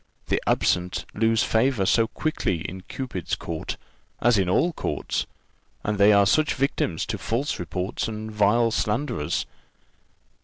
The absent lose favour so quickly in Cupid's court, as in all other courts; and they are such victims to false reports and vile slanderers!"